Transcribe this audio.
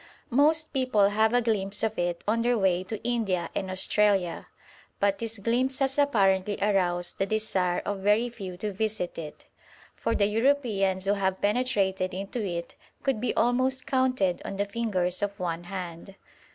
Most people have a glimpse of it on their way to India and Australia, but this glimpse has apparently aroused the desire of very few to visit it, for the Europeans who have penetrated into it could be almost counted on the fingers of one hand.